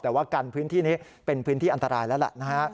แต่ว่ากันพื้นที่นี้เป็นพื้นที่อันตรายแล้วล่ะนะฮะ